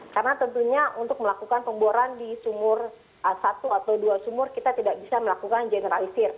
karena tentunya untuk melakukan pemboran di satu atau dua sumur diggeralize karena itu nanti terkait dengan kerumitan yang di lapangan maupun lokasi lokasi dari sumur tersebut